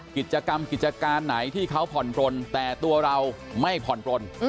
กิจกรรมกิจการไหนที่เขาผ่อนปลนแต่ตัวเราไม่ผ่อนปลน